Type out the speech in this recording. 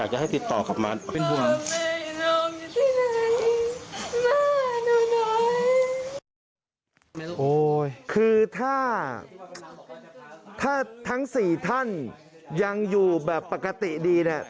คือถ้าทั้งสี่ท่านยังอยู่แบบปกติดต่อกลับมา